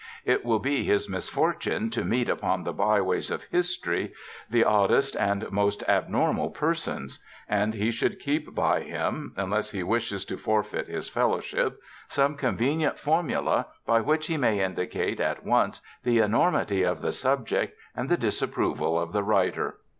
It will be his misfortune to meet upon the byways of history the oddest and most abnormal persons, and he should keep by him (unless he wishes to forfeit his Fellowship) some convenient formula by which he may indicate at once the enormity of the subject and the disapproval of the writer.